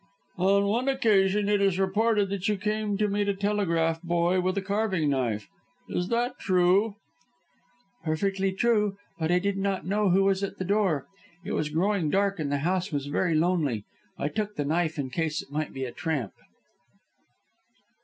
"On one occasion it is reported that you came to meet a telegraph boy with a carving knife. Is that true?" "Perfectly true. But I did not know who was at the door. It was growing dark, and the house was very lonely. I took the knife in case it might be a tramp."